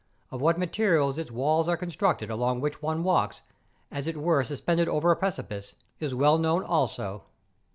Of what materials its walls are constructed along which one walks, as it were suspended over a precipice, is well known also.